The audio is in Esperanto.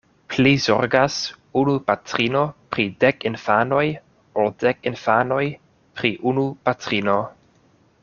Pli zorgas unu patrino pri dek infanoj, ol dek infanoj pri unu patrino.